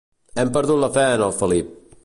Hem perdut la fe en el Felip.